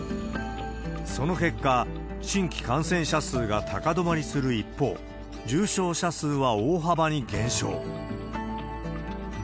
その結果、新規感染者数が高止まりする一方、重症者数は大幅に減少。